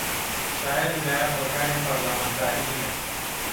شایەن و لایەق بە کاری پەرلەمانتاری نییە